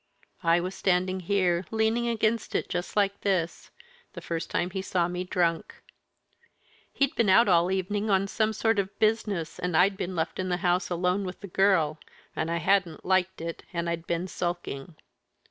I was standing here, leaning against it just like this, the first time he saw me drunk. He'd been out all the evening on some sort of business, and I'd been left in the house alone with the girl, and I hadn't liked it, and I'd been sulking.